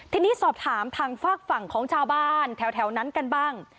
ทีนี้สอบถามทางฝากฝั่งของชาวบ้านแถวนั้นกันบ้าง